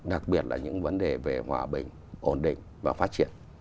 đặc biệt là những vấn đề về hòa bình ổn định và phát triển